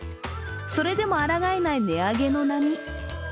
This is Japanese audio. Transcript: それでもあらがえない値上げの波。